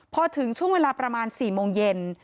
พอถึงช่วงเวลาประมาณ๔โมงเย็น